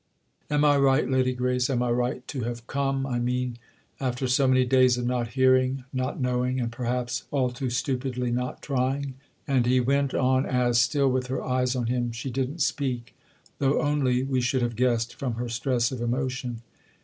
"Am I right, Lady Grace, am I right?—to have come, I mean, after so many days of not hearing, not knowing, and perhaps, all too stupidly, not trying." And he went on as, still with her eyes on him, she didn't speak; though, only, we should have guessed, from her stress of emotion.